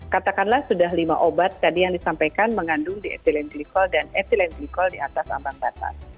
katakanlah sudah lima obat tadi yang disampaikan mengandung di ethylene glycol dan di atas ambang batas